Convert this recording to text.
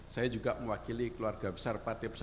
saya juga mewakili keluarga besar pks